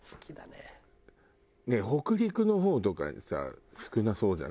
ねえ北陸の方とかさ少なそうじゃない？